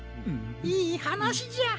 いいはなしじゃ。